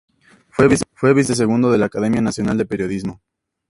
Fue vicepresidente segundo de la Academia Nacional de Periodismo.